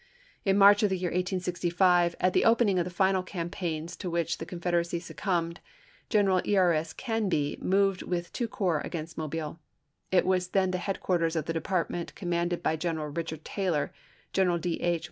In March of the year 1865, at the opening of the final campaigns to which the Con federacy succumbed, General E. E. S. Canby moved with two corps against Mobile. It was then the headquarters of the department commanded by General Eichard Taylor, General D. H.